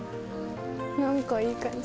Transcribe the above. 何かいい感じ。